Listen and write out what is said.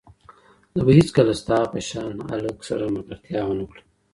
زه به هېڅکله ستا په شان هلک سره ملګرتيا ونه کړم